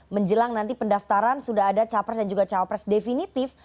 menjelang nanti pendaftaran sudah ada capres dan juga cawapres definitif